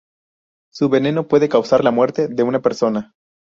Su veneno puede causar la muerte de una persona.